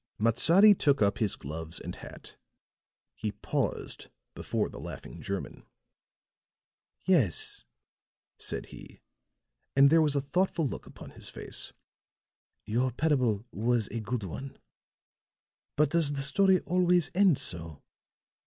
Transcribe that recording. Matsadi took up his gloves and hat; he paused before the laughing German. "Yes," said he, and there was a thoughtful look upon his face, "your parable was a good one. But does the story always end so?